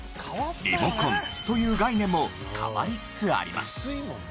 リモコンという概念も変わりつつあります。